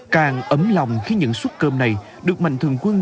càng ấm lòng khi những suất cơm này được mạnh thường quân